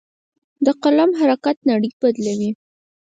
د قلم حرکت نړۍ بدلوي.